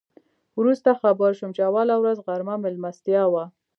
وروسته خبر شوم چې اوله ورځ غرمه میلمستیا وه.